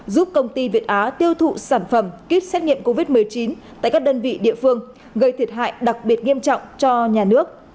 giúp công ty việt á tiêu thụ sản phẩm kit xét nghiệm covid một mươi chín tại các đơn vị địa phương gây thiệt hại đặc biệt nghiêm trọng cho nhà nước